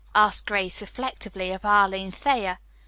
asked Grace reflectively of Arline Thayer.